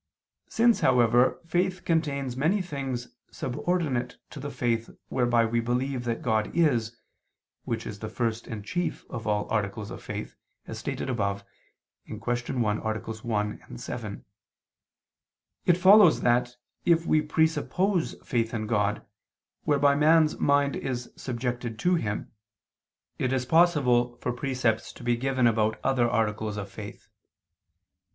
Since, however, faith contains many things subordinate to the faith whereby we believe that God is, which is the first and chief of all articles of faith, as stated above (Q. 1, AA. 1, 7), it follows that, if we presuppose faith in God, whereby man's mind is subjected to Him, it is possible for precepts to be given about other articles of faith.